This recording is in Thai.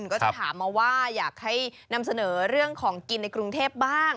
ก็จะถามมาว่าอยากให้นำเสนอเรื่องของกินในกรุงเทพบ้าง